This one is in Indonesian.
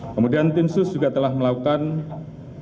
kemudian tim sus juga telah melakukan penyelidikan